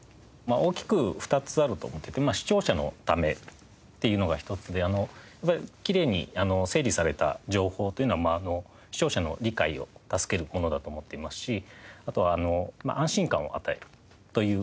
大きく２つあると思ってて視聴者のためっていうのが１つでやっぱりきれいに整理された情報というのは視聴者の理解を助けるものだと思っていますしあとは安心感を与えるという。